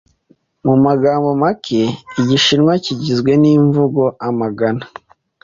Mu magambo make, Igishinwa kigizwe n'imvugo amagana.